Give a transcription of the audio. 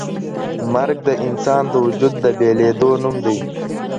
مرګ د انسان د وجود د بېلېدو نوم دی.